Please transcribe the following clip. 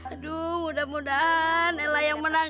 aduh mudah mudahan ella yang menang